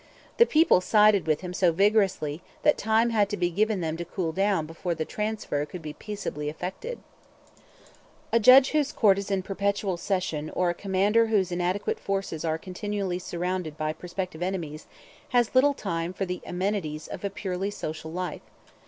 The people sided with him so vigorously that time had to be given them to cool down before the transfer could be peaceably effected. A judge whose court is in perpetual session or a commander whose inadequate forces are continually surrounded by prospective enemies has little time for the amenities of purely social life.